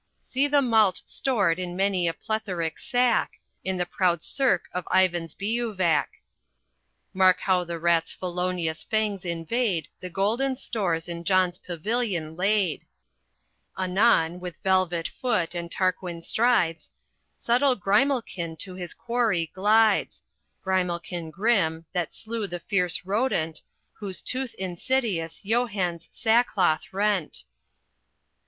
See the malt stored in many a plethoric sack, In the proud cirque of Ivan's bivouac. Mark how the Rat's felonious fangs invade The golden stores in John's pavilion laid. Anon, with velvet foot and Tarquin strides, Subtle Grimalkin to his quarry glides Grimalkin grim, that slew the fierce rodent Whose tooth insidious Johann's sackcloth rent.